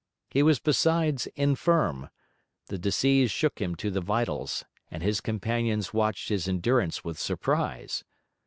He was besides infirm; the disease shook him to the vitals; and his companions watched his endurance with surprise.